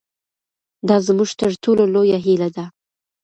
دا زموږ تر ټولو لویه هیله ده.